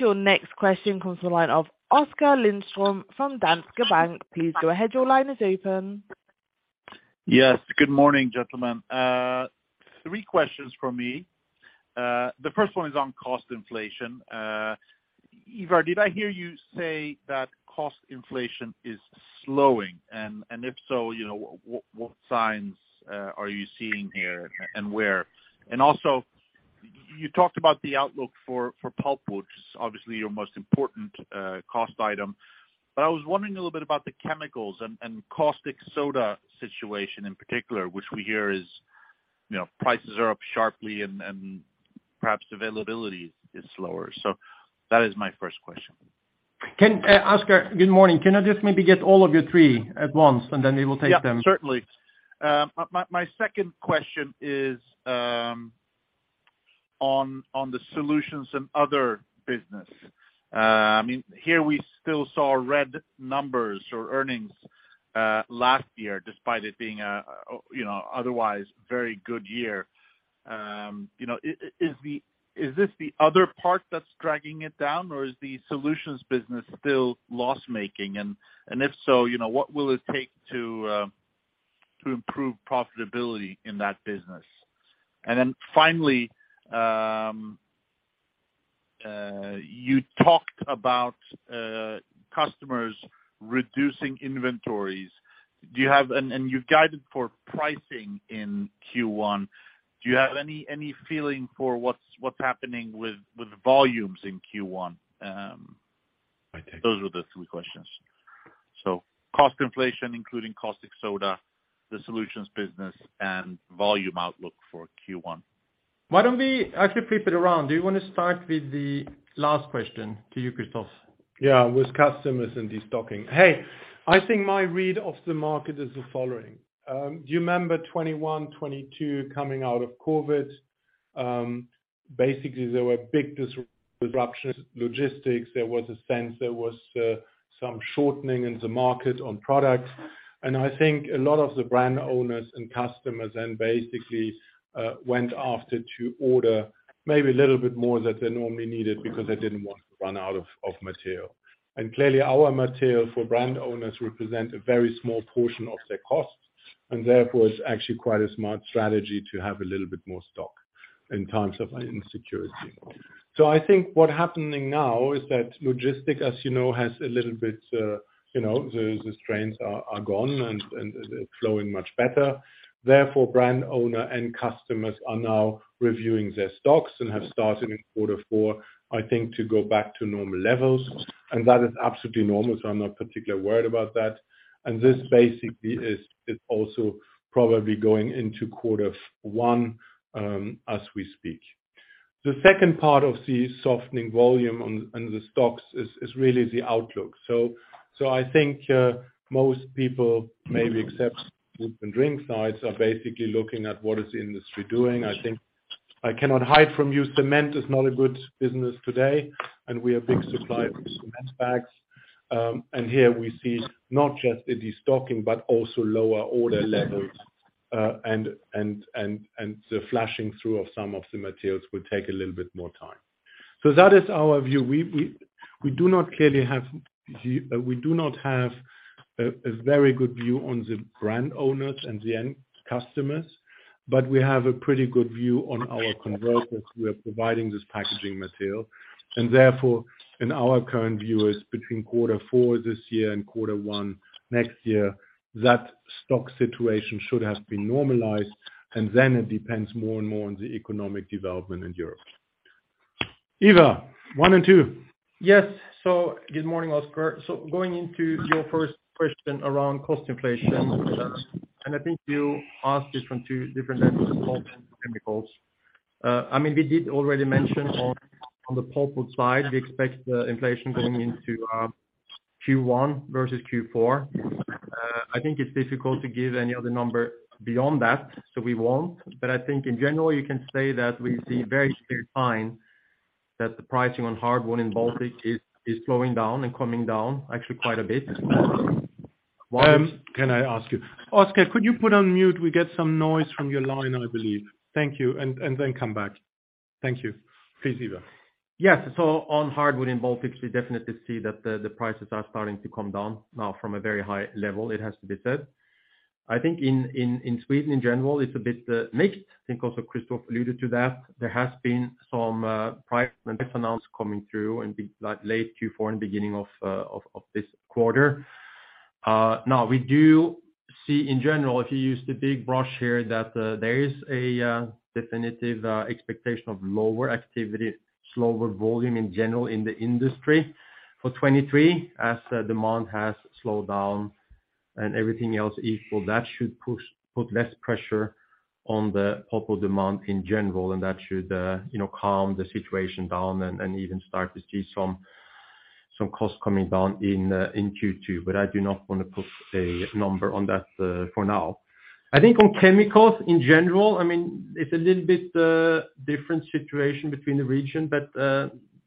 Speaker 1: Your next question comes from the line of Oskar Lindström from Danske Bank. Please go ahead. Your line is open.
Speaker 6: Yes. Good morning, gentlemen. Three questions from me. The first one is on cost inflation. Ivar, did I hear you say that cost inflation is slowing? If so, you know, what signs are you seeing here and where? Also, you talked about the outlook for pulpwood, which is obviously your most important cost item. I was wondering a little bit about the chemicals and caustic soda situation in particular, which we hear is, you know, prices are up sharply and perhaps availability is slower. That is my first question.
Speaker 3: Oskar, good morning. Can I just maybe get all of your three at once, and then we will take them?
Speaker 6: Yeah. Certainly. My second question is on the solutions and other business. I mean, here we still saw red numbers or earnings last year, despite it being a, you know, otherwise very good year. You know, is this the other part that's dragging it down or is the solutions business still loss-making? If so, you know, what will it take to improve profitability in that business? Finally, you talked about customers reducing inventories. Do you have... You've guided for pricing in Q1. Do you have any feeling for what's happening with volumes in Q1? Those are the three questions. Cost inflation, including caustic soda, the solutions business and volume outlook for Q1.
Speaker 3: Why don't we actually flip it around? Do you wanna start with the last question? To you, Christoph.
Speaker 2: Yeah, with customers and destocking. Hey, I think my read of the market is the following. Do you remember 2021, 2022 coming out of COVID? basically there were big disruptions, logistics. There was a sense there was some shortening in the market on products. I think a lot of the brand owners and customers then basically went after to order maybe a little bit more than they normally needed because they didn't want to run out of material. Clearly, our material for brand owners represent a very small portion of their costs, and therefore it's actually quite a smart strategy to have a little bit more stock in times of insecurity. I think what happening now is that logistics, as you know, has a little bit, you know, the strains are gone and it's flowing much better. Brand owner and customers are now reviewing their stocks and have started in Q4, I think, to go back to normal levels. That is absolutely normal. I'm not particularly worried about that. This basically is also probably going into Q1 as we speak. The second part of the softening volume and the stocks is really the outlook. I think most people, maybe except food and drink sides, are basically looking at what is the industry doing. I think I cannot hide from you, cement is not a good business today, and we are big suppliers of cement bags. Here we see not just the destocking, but also lower order levels, and the flushing through of some of the materials will take a little bit more time. That is our view. We do not clearly have the, we do not have a very good view on the brand owners and the end customers, but we have a pretty good view on our converters who are providing this packaging material. Our current view is between quarter four this year and quarter one next year, that stock situation should have been normalized, and then it depends more and more on the economic development in Europe. Ivar, one and two.
Speaker 3: Yes. Good morning, Oskar. Going into your first question around cost inflation, and I think you asked this from two different angles, pulp and chemicals. I mean, we did already mention on the pulpwood side, we expect inflation going into Q1 versus Q4. I think it's difficult to give any other number beyond that, we won't. I think in general, you can say that we see very clear signs that the pricing on hardwood in Baltic is slowing down and coming down actually quite a bit.
Speaker 2: Can I ask you? Oskar, could you put on mute? We get some noise from your line, I believe. Thank you. Come back. Thank you. Please, Ivar.
Speaker 3: Yes. On hardwood in Baltics, we definitely see that the prices are starting to come down now from a very high level, it has to be said. I think in Sweden in general, it's a bit mixed. I think also Christoph alluded to that. There has been some price announcements coming through in the like late Q4 and beginning of this quarter. Now we do see in general, if you use the big brush here, that there is a definitive expectation of lower activity, slower volume in general in the industry for 2023, as the demand has slowed down and everything else equal, that should put less pressure on the pulpwood demand in general and that should, you know, calm the situation down and even start to see some costs coming down in Q2. I do not wanna put a number on that for now. I think on chemicals in general, I mean, it's a little bit different situation between the region, but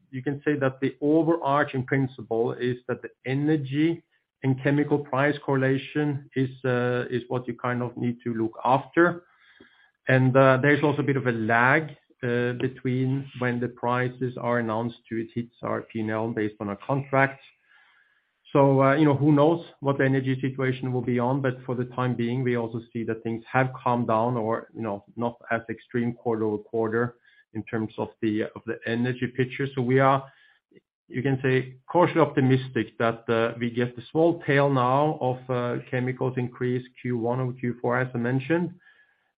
Speaker 3: you can say that the overarching principle is that the energy and chemical price correlation is what you kind of need to look after. There's also a bit of a lag between when the prices are announced till it hits our P&L based on our contracts. You know, who knows what the energy situation will be on, but for the time being, we also see that things have calmed down or, you know, not as extreme quarter-over-quarter in terms of the energy picture. You can say cautiously optimistic that we get a small tail now of chemicals increase Q1 over Q4, as I mentioned,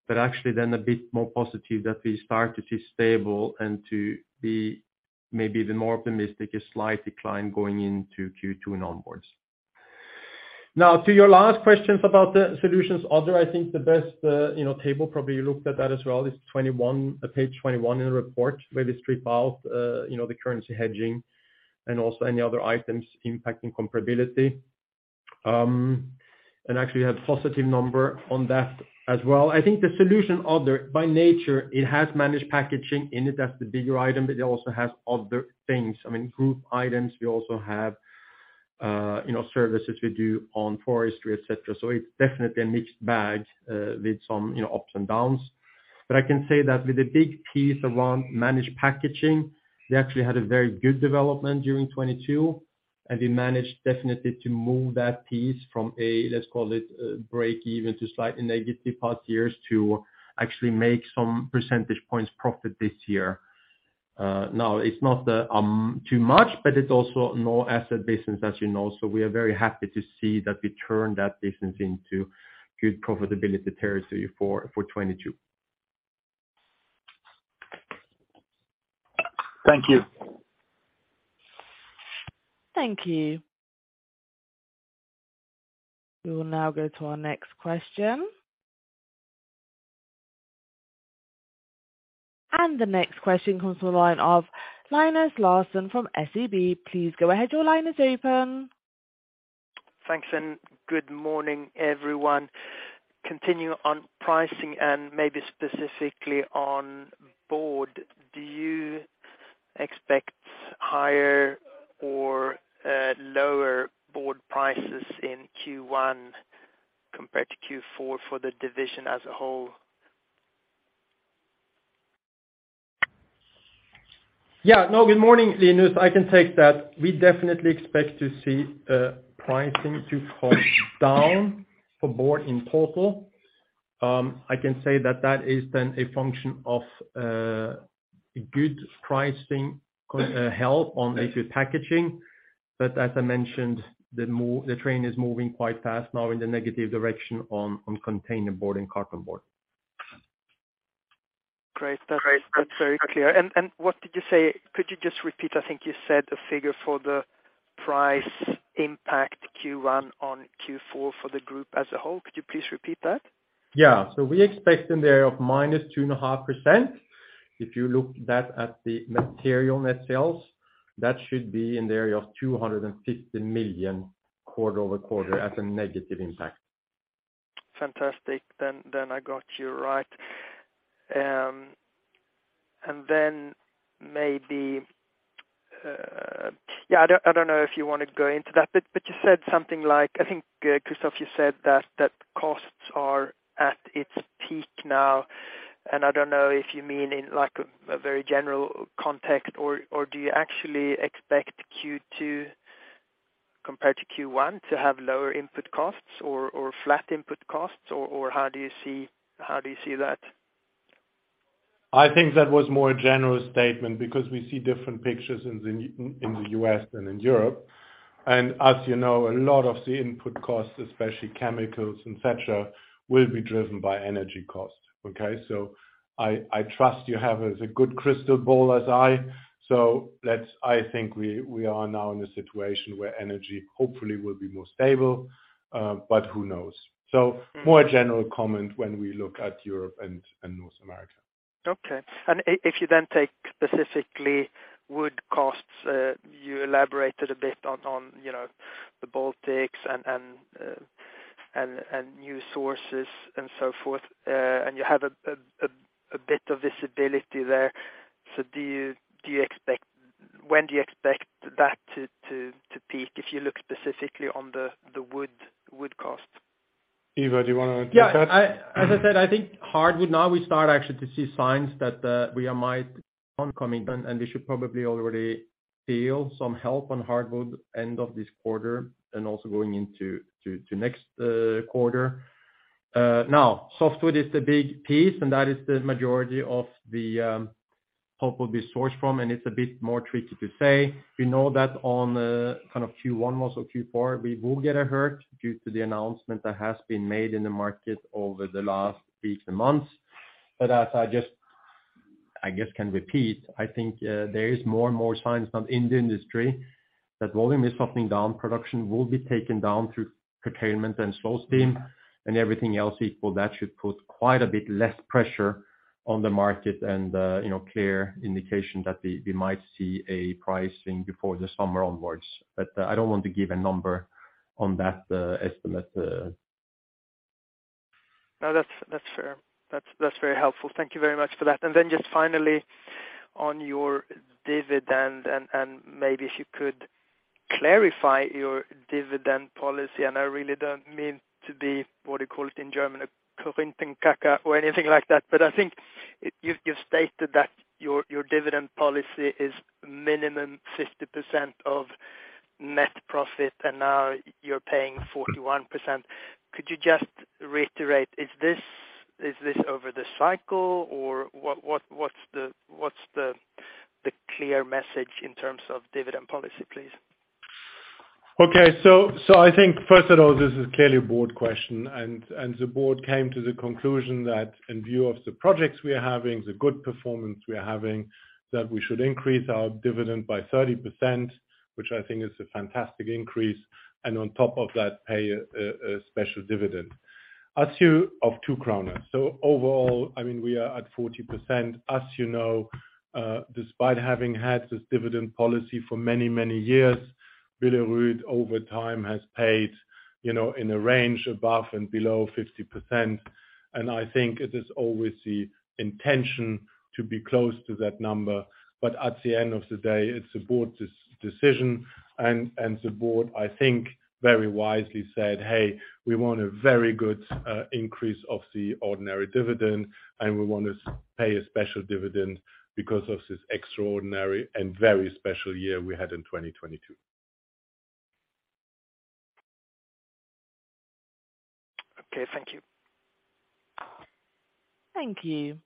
Speaker 3: but actually then a bit more positive that we start to feel stable and to be maybe the more optimistic, a slight decline going into Q2 and onwards. To your last questions about the solutions other, I think the best, you know, table probably you looked at that as well, is page 21 in the report, where they strip out, you know, the currency hedging and also any other items impacting comparability. Actually, have positive number on that as well. I think the solution other, by nature, it has Managed Packaging in it, that's the bigger item, but it also has other things. I mean, group items, we also have, you know, services we do on forestry, et cetera. It's definitely a mixed bag, with some, you know, ups and downs. I can say that with the big piece around Managed Packaging, we actually had a very good development during 2022. We managed definitely to move that piece from a, let's call it, break even to slightly negative past years to actually make some percentage points profit this year. Now, it's not too much, but it's also no asset business, as you know. We are very happy to see that we turn that business into good profitability territory for 2022.
Speaker 6: Thank you.
Speaker 1: Thank you. We will now go to our next question. The next question comes to the line of Linus Larsson from SEB. Please go ahead. Your line is open.
Speaker 7: Thanks. Good morning, everyone. Continue on pricing and maybe specifically on board, do you expect higher or lower board prices in Q1 compared to Q4 for the division as a whole?
Speaker 3: Good morning, Linus. I can take that. We definitely expect to see pricing to come down for board in total. I can say that that is then a function of a good pricing help on issue packaging. As I mentioned, the train is moving quite fast now in the negative direction on Containerboard and Cartonboard.
Speaker 7: Great. That's very clear. What did you say? Could you just repeat, I think you said a figure for the price impact Q1 on Q4 for the group as a whole. Could you please repeat that?
Speaker 3: Yeah. We expect in the area of -2.5%. If you look that at the material net sales, that should be in the area of 250 million quarter-over-quarter as a negative impact.
Speaker 7: Fantastic. I got you right. Maybe, Yeah, I don't know if you wanna go into that, but you said something like, I think, Christoph, you said that costs are at its peak now. I don't know if you mean in, like, a very general context, or do you actually expect Q2 compared to Q1 to have lower input costs or flat input costs, or how do you see that?
Speaker 2: I think that was more a general statement because we see different pictures in the U.S. and in Europe. As you know, a lot of the input costs, especially chemicals and such, will be driven by energy costs. Okay? I trust you have as a good crystal ball as I. I think we are now in a situation where energy hopefully will be more stable, but who knows? More general comment when we look at Europe and North America.
Speaker 7: Okay. If you then take specifically wood costs, you elaborated a bit on, you know, the Baltics and new sources and so forth, and you have a bit of visibility there. When do you expect that to peak, if you look specifically on the wood cost?
Speaker 2: Ivar, do you wanna take that?
Speaker 3: Yeah. I, as I said, I think hardwood now we start actually to see signs that we are might oncoming, and we should probably already feel some help on hardwood end of this quarter and also going into to next quarter. Now, software is the big piece, and that is the majority of the hope will be sourced from, and it's a bit more tricky to say. We know that on kind of Q1 most of Q4, we will get a hurt due to the announcement that has been made in the market over the last weeks and months. As I just, I guess, can repeat, I think there is more and more signs now in the industry that volume is softening down. Production will be taken down through procurement and slow steam and everything else equal. That should put quite a bit less pressure on the market and, you know, clear indication that we might see a pricing before the summer onwards. I don't want to give a number on that estimate.
Speaker 7: No, that's fair. That's very helpful. Thank you very much for that. Then just finally on your dividend and maybe if you could clarify your dividend policy, I really don't mean to be, what do you call it in German, a "klugscheisser" or anything like that, but I think you've stated that your dividend policy is minimum 50% of net profit and now you're paying 41%. Could you just reiterate, is this over the cycle or what's the clear message in terms of dividend policy, please?
Speaker 2: I think first of all, this is clearly a board question, and the board came to the conclusion that in view of the projects we are having, the good performance we are having, that we should increase our dividend by 30%, which I think is a fantastic increase, and on top of that, pay a special dividend. Of 2. Overall, I mean, we are at 40%. As you know, despite having had this dividend policy for many, many years, Billerud over time has paid, you know, in a range above and below 50%. I think it is always the intention to be close to that number. At the end of the day, it's the board's decision, and the board, I think, very wisely said, "Hey, we want a very good increase of the ordinary dividend, and we want to pay a special dividend because of this extraordinary and very special year we had in 2022.
Speaker 7: Okay, thank you.
Speaker 1: Thank you.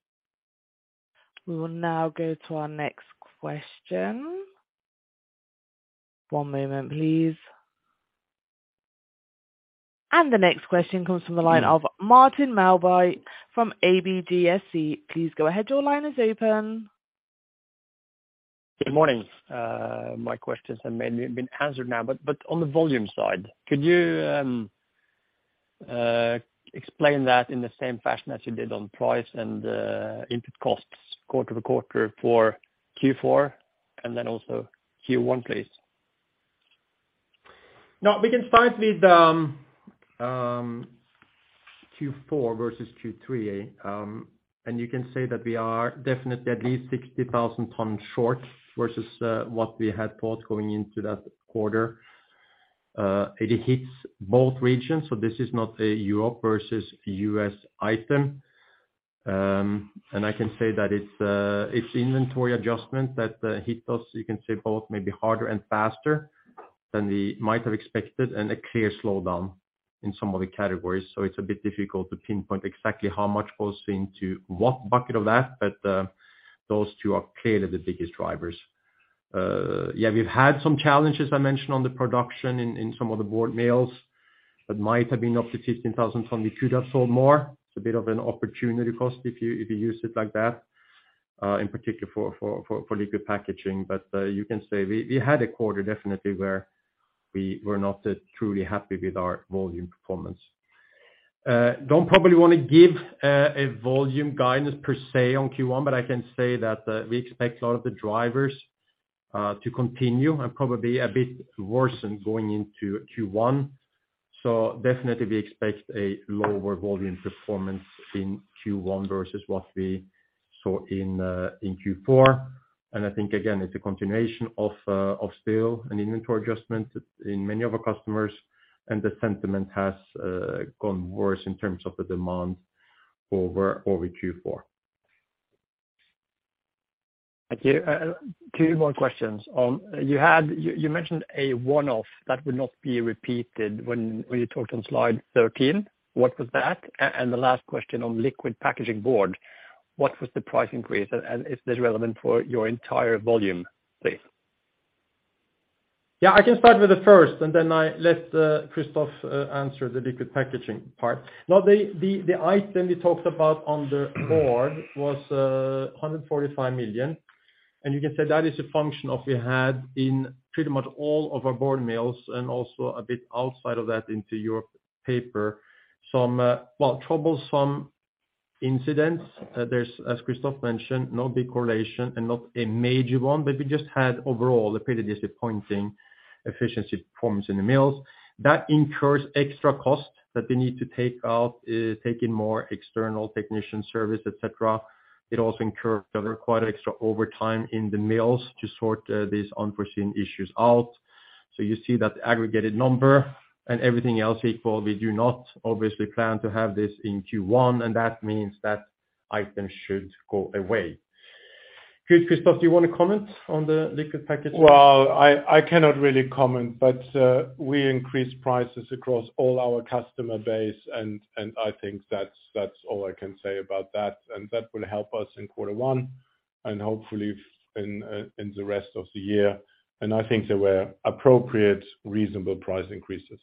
Speaker 1: We will now go to our next question. One moment, please. The next question comes from the line of Martin Melbye from ABGSC. Please go ahead, your line is open.
Speaker 8: Good morning. My questions have mainly been answered now, but on the volume side, could you explain that in the same fashion as you did on price and input costs quarter-to-quarter for Q4 and then also Q1, please?
Speaker 3: We can start with the Q4 versus Q3. You can say that we are definitely at least 60,000 tons short versus what we had thought going into that quarter. It hits both regions, so this is not a Europe versus U.S. item. I can say that it's inventory adjustment that hit us, you can say, both maybe harder and faster than we might have expected and a clear slowdown in some of the categories. It's a bit difficult to pinpoint exactly how much falls into what bucket of that, those two are clearly the biggest drivers. We've had some challenges, I mentioned, on the production in some of the board mills that might have been up to 15,000 tons. We could have sold more. It's a bit of an opportunity cost if you use it like that, in particular for liquid packaging. You can say we had a quarter definitely where we were not truly happy with our volume performance. Don't probably wanna give a volume guidance per se on Q1, but I can say that we expect a lot of the drivers to continue and probably a bit worsen going into Q1. Definitely we expect a lower volume performance in Q1 versus what we saw in Q4. I think again, it's a continuation of still an inventory adjustment in many of our customers, and the sentiment has gone worse in terms of the demand over Q4.
Speaker 8: Thank you. Two more questions. You mentioned a one-off that would not be repeated when you talked on slide 13. What was that? The last question on Liquid Packaging Board, what was the price increase? Is this relevant for your entire volume, please?
Speaker 3: Yeah, I can start with the first, and then I let Christoph answer the liquid packaging part. The item we talked about on the board was 145 million. You can say that is a function of we had in pretty much all of our board mills and also a bit outside of that into Europe paper. Some, well, troublesome incidents. There's, as Christoph mentioned, no big correlation and not a major one, but we just had overall a pretty disappointing efficiency performance in the mills. That incurs extra costs that we need to take out, taking more external technician service, et cetera. It also incurred other quite extra overtime in the mills to sort these unforeseen issues out. You see that aggregated number and everything else equal. We do not obviously plan to have this in Q1. That means that item should go away. Christoph, do you wanna comment on the liquid package?
Speaker 2: Well, I cannot really comment, but we increased prices across all our customer base, and I think that's all I can say about that. That will help us in quarter one and hopefully in the rest of the year. I think they were appropriate, reasonable price increases.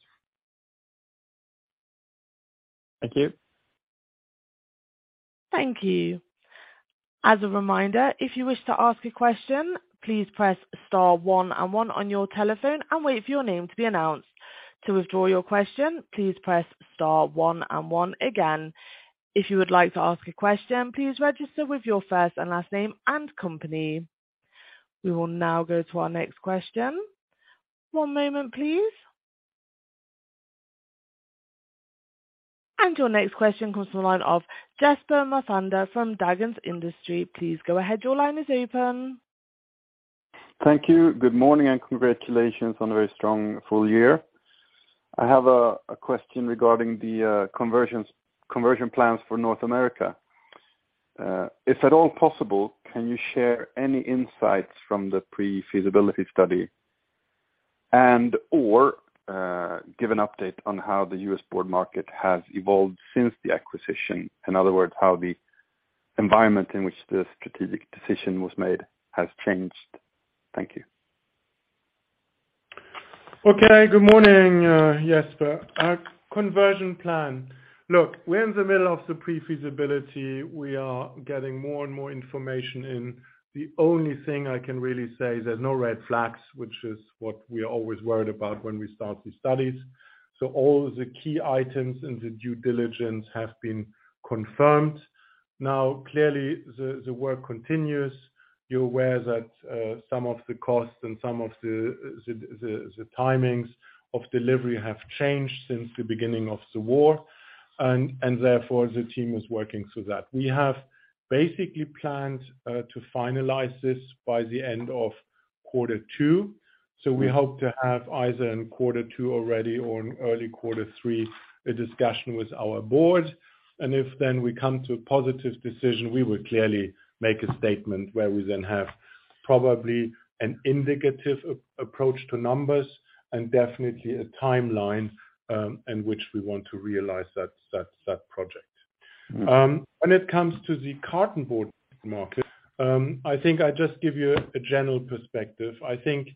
Speaker 8: Thank you.
Speaker 1: Thank you. As a reminder, if you wish to ask a question, please press star one and one on your telephone and wait for your name to be announced. To withdraw your question, please press star one and one again. If you would like to ask a question, please register with your first and last name and company. We will now go to our next question. One moment, please. Your next question comes from the line of Jesper Mårtensson from Dagens Industri. Please go ahead, your line is open.
Speaker 9: Thank you. Good morning, and congratulations on a very strong full year. I have a question regarding the conversions, conversion plans for North America. If at all possible, can you share any insights from the pre-feasibility study and or give an update on how the U.S. board market has evolved since the acquisition? In other words, how the environment in which the strategic decision was made has changed. Thank you.
Speaker 2: Okay. Good morning, Jesper. Our conversion plan. Look, we're in the middle of the pre-feasibility. We are getting more and more information in. The only thing I can really say is there's no red flags, which is what we are always worried about when we start these studies. All the key items in the due diligence have been confirmed. Clearly, the work continues. You're aware that some of the costs and some of the timings of delivery have changed since the beginning of the war, and therefore, the team is working through that. We have basically planned to finalize this by the end of quarter two. We hope to have either in quarter two already or in early quarter three, a discussion with our board. If then we come to a positive decision, we will clearly make a statement where we then have probably an indicative a-approach to numbers and definitely a timeline in which we want to realize that project. When it comes to the Cartonboard market, I think I just give you a general perspective. I think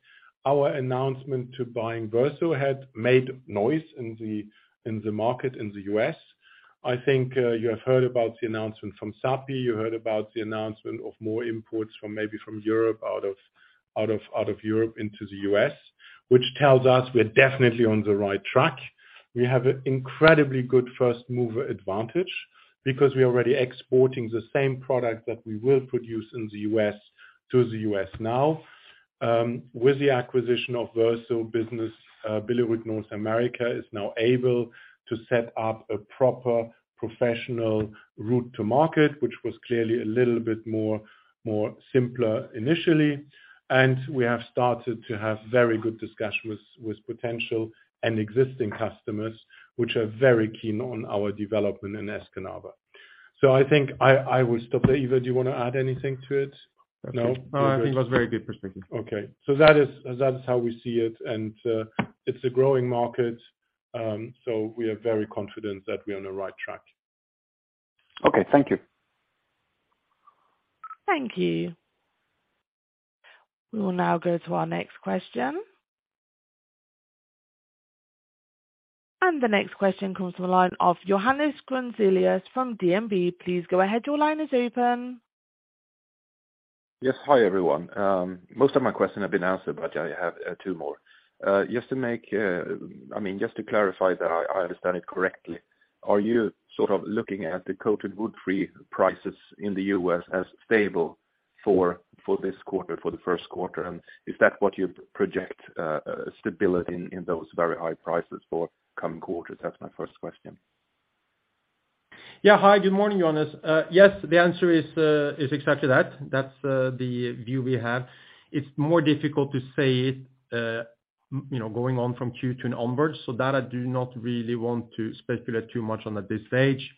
Speaker 2: our announcement to buying Verso had made noise in the market in the U.S. I think you have heard about the announcement from Sappi. You heard about the announcement of more imports from maybe from Europe out of Europe into the U.S., which tells us we're definitely on the right track. We have an incredibly good first mover advantage because we're already exporting the same product that we will produce in the U.S. to the U.S. now. With the acquisition of Verso business, Billerud North America is now able to set up a proper professional route to market, which was clearly a little bit more simpler initially. We have started to have very good discussions with potential and existing customers, which are very keen on our development in Escanaba. I think I will stop there. Ivar, do you wanna add anything to it? No?
Speaker 3: No. I think it was very good perspective.
Speaker 2: Okay. that is how we see it. it's a growing market, so we are very confident that we're on the right track.
Speaker 9: Okay. Thank you.
Speaker 1: Thank you. We will now go to our next question. The next question comes from the line of Johannes Grunselius from DNB. Please go ahead. Your line is open.
Speaker 10: Yes. Hi, everyone. Most of my questions have been answered, but I have two more. I mean, just to clarify that I understand it correctly, are you sort of looking at the coated wood-free prices in the U.S. as stable for this quarter, for the first quarter? Is that what you project stability in those very high prices for coming quarters? That's my first question.
Speaker 3: Yeah. Hi. Good morning, Johannes. Yes, the answer is exactly that. That's the view we have. It's more difficult to say, you know, going on from Q2 onwards. I do not really want to speculate too much on at this stage.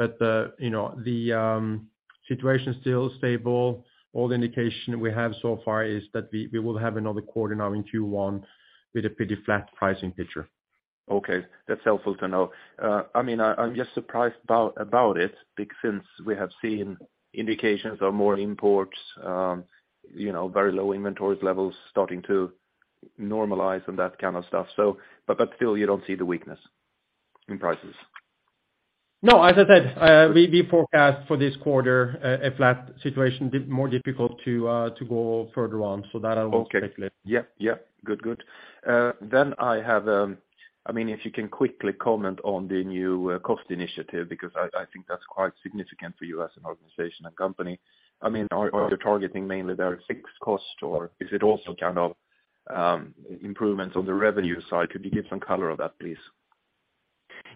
Speaker 3: You know, the situation is still stable. All the indication we have so far is that we will have another quarter now in Q1 with a pretty flat pricing picture.
Speaker 10: Okay. That's helpful to know. I mean, I'm just surprised about it, because we have seen indications of more imports, you know, very low inventory levels starting to normalize and that kind of stuff. Still, you don't see the weakness in prices?
Speaker 2: No, as I said, we forecast for this quarter a flat situation, more difficult to go further on, so that I won't speculate.
Speaker 10: Okay. Yep, yep. Good, good. I have, I mean, if you can quickly comment on the new cost initiative, because I think that's quite significant for you as an organization and company. I mean, are you targeting mainly the fixed cost or is it also kind of, improvements on the revenue side? Could you give some color of that, please?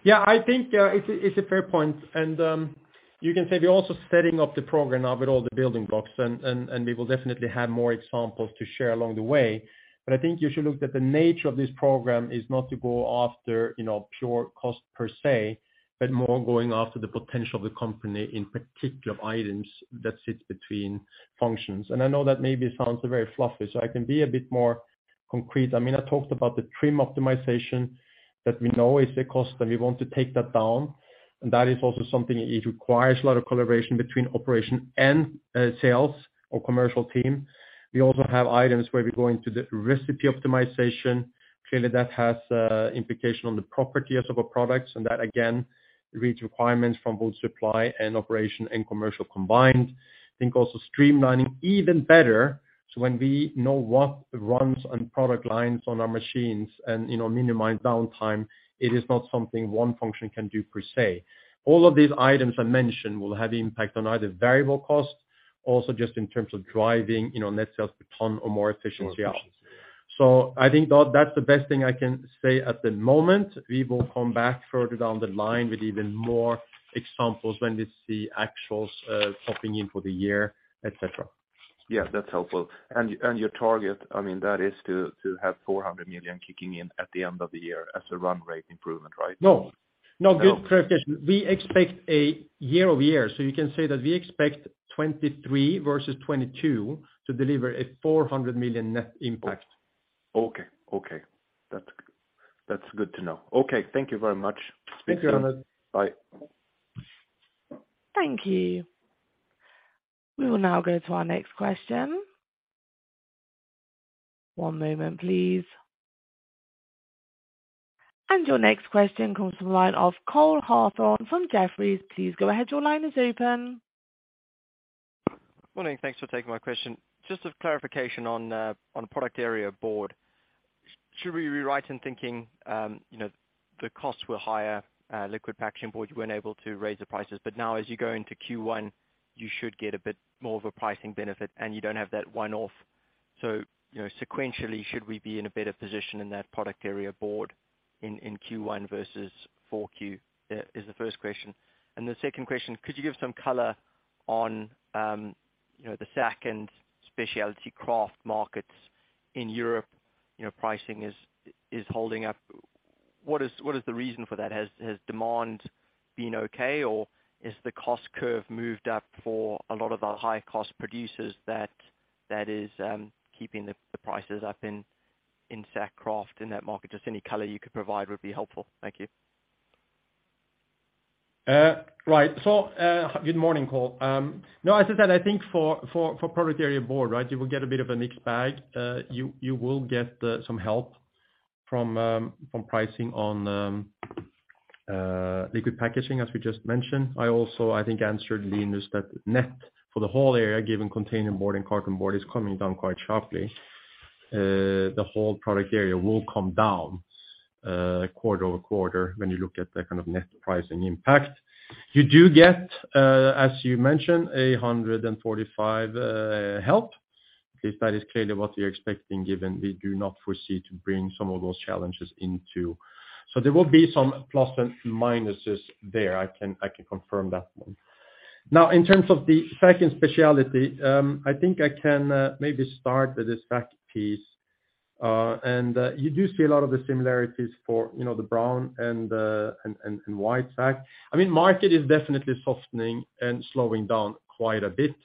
Speaker 3: Yeah. I think it's a fair point. You can say we're also setting up the program now with all the building blocks and we will definitely have more examples to share along the way. I think you should look at the nature of this program is not to go after, you know, pure cost per se, but more going after the potential of the company, in particular items that sits between functions. I know that maybe sounds very fluffy, so I can be a bit more concrete. I mean, I talked about the trim optimization that we know is a cost and we want to take that down. That is also something, it requires a lot of collaboration between operation and sales or commercial team. We also have items where we go into the recipe optimization. Clearly, that has implication on the properties of our products, and that again, reads requirements from both supply and operation and commercial combined. I think also streamlining even better, so when we know what runs on product lines on our machines and, you know, minimize downtime, it is not something one function can do per se. All of these items I mentioned will have impact on either variable costs, also just in terms of driving, you know, net sales per ton or more efficiency options. I think that's the best thing I can say at the moment. We will come back further down the line with even more examples when we see actuals popping in for the year, et cetera.
Speaker 10: Yeah, that's helpful. Your target, I mean that is to have 400 million kicking in at the end of the year as a run rate improvement, right?
Speaker 3: No. No, good clarification. We expect a year-over-year, so you can say that we expect 2023 versus 2022 to deliver a 400 million net impact.
Speaker 10: Okay. That's good to know. Okay. Thank you very much.
Speaker 3: Thank you, Arnold.
Speaker 10: Bye.
Speaker 1: Thank you. We will now go to our next question. One moment, please. Your next question comes from the line of Cole Hathorn from Jefferies. Please go ahead. Your line is open.
Speaker 11: Morning. Thanks for taking my question. Just a clarification on product area board. Should we rewrite in thinking, you know, the costs were higher, Liquid Packaging Board, you weren't able to raise the prices, but now as you go into Q1, you should get a bit more of a pricing benefit, and you don't have that one-off. You know, sequentially, should we be in a better position in that product area board in Q1 versus 4Q, is the first question. The second question, could you give some color on, you know, the sack and specialty kraft markets in Europe? You know, pricing is holding up. What is the reason for that? Has demand been okay or has the cost curve moved up for a lot of the high cost producers that is keeping the prices up in sack kraft in that market? Just any color you could provide would be helpful. Thank you.
Speaker 3: Right. Good morning, Cole. No, as I said, I think for product area board, right, you will get a bit of a mixed bag. You will get some help from pricing on liquid packaging, as we just mentioned. I also, I think, answered Linus that net for the whole area, given Containerboard and Cartonboard is coming down quite sharply. The whole product area will come down quarter over quarter when you look at the kind of net pricing impact. You do get, as you mentioned, 145 help, if that is clearly what you're expecting, given we do not foresee to bring some of those challenges into. There will be some plus and minuses there. I can confirm that one. In terms of the sack and specialty, I think I can maybe start with the sack piece. You do see a lot of the similarities for, you know, the brown sack and white sack. Market is definitely softening and slowing down quite a bit.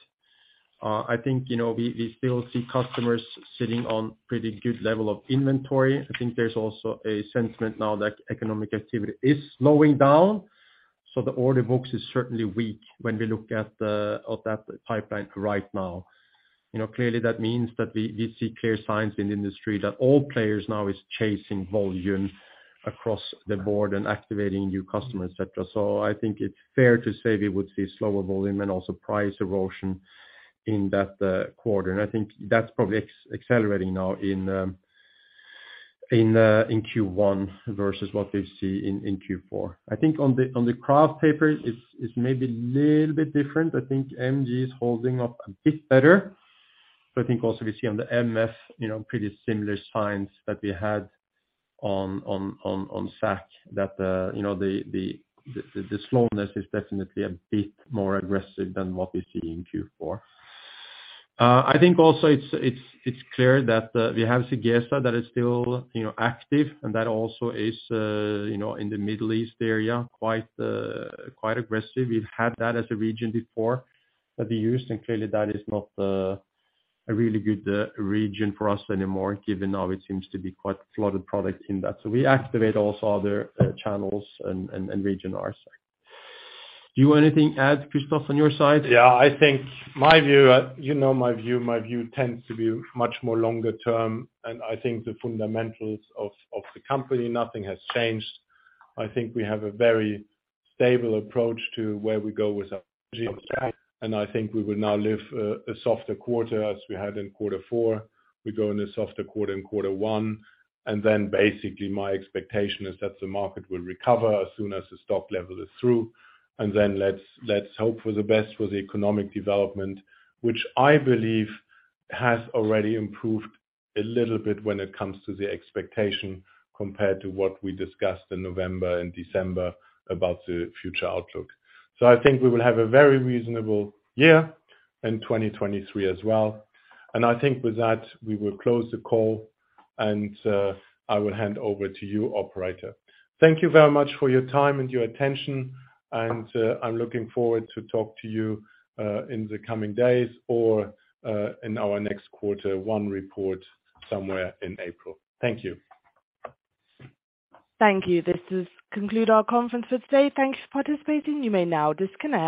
Speaker 3: I think, you know, we still see customers sitting on pretty good level of inventory. There's also a sentiment now that economic activity is slowing down, so the order books is certainly weak when we look at the, at that pipeline right now. You know, clearly that means that we see clear signs in the industry that all players now is chasing volume across the board and activating new customers, et cetera. I think it's fair to say we would see slower volume and also price erosion in that quarter. I think that's probably accelerating now in Q1 versus what we see in Q4. I think on the kraft paper it's maybe little bit different. I think MG is holding up a bit better, but I think also we see on the MF, you know, pretty similar signs that we had on sack that, you know, the slowness is definitely a bit more aggressive than what we see in Q4. I think also it's clear that we have Sigesa that is still, you know, active and that also is, you know, in the Middle East area, quite aggressive. We've had that as a region before that we used. Clearly that is not a really good region for us anymore, given now it seems to be quite flooded product in that. We activate also other channels and region our side. Do you anything add, Christoph, on your side?
Speaker 2: Yeah, I think my view, you know my view. My view tends to be much more longer term. I think the fundamentals of the company, nothing has changed. I think we have a very stable approach to where we go with our strategy. I think we will now live a softer quarter as we had in quarter four. We go in a softer quarter in quarter one, and then basically my expectation is that the market will recover as soon as the stock level is through, and then let's hope for the best for the economic development, which I believe has already improved a little bit when it comes to the expectation compared to what we discussed in November and December about the future outlook. I think we will have a very reasonable year in 2023 as well. I think with that, we will close the call and I will hand over to you, operator. Thank you very much for your time and your attention and I'm looking forward to talk to you in the coming days or in our next quarter one report somewhere in April. Thank you.
Speaker 1: Thank you. This does conclude our conference for today. Thanks for participating. You may now disconnect.